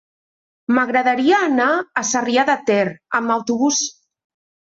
M'agradaria anar a Sarrià de Ter amb autobús.